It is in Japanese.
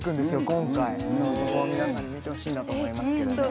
今回そこを皆さんに見てほしいなと思いますけどね